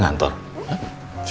no kamu tahu asal di mana